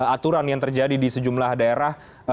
aturan yang terjadi di sejumlah daerah